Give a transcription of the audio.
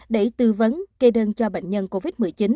để tư vấn kê đơn cho bệnh nhân covid một mươi chín